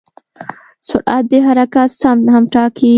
سرعت د حرکت سمت هم ټاکي.